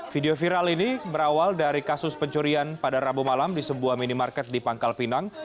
video viral ini berawal dari kasus pencurian pada rabu malam di sebuah minimarket di pangkal pinang